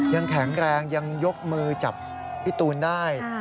ยังแข็งแรงยังยกมือจับพี่ตูนได้